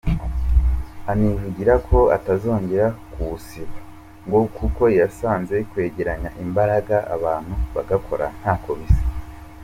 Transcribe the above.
Anivugira ko atazongera kuwusiba, ngo kuko yasanze kwegeranya imbaraga abantu bagakora ntako bisa.